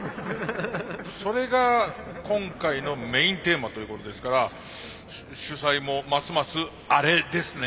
それが今回のメインテーマということですから主宰もますますあれですね。